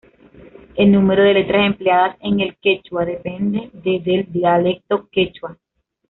El número de letras empleadas en el Quechua dependen de del dialecto Quechua.